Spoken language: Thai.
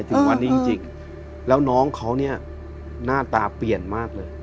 ถึงวันนี้จริงแล้วน้องเขาเนี่ยหน้าตาเปลี่ยนมากเลย